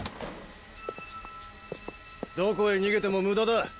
どこへ逃げても無駄だ。